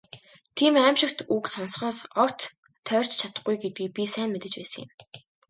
Тийм «аймшигт» үг сонсохоос огт тойрч чадахгүй гэдгийг би сайн мэдэж байсан юм.